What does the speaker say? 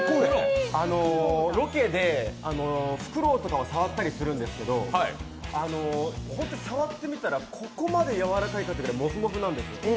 ロケでフクロウとかを触ったりするんですけど、本当に触ってみたら、ここまでやわらかいかってぐらいもふもふなんです。